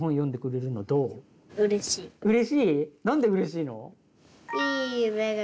何でうれしいの？